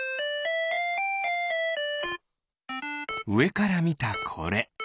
うえからみたこれ。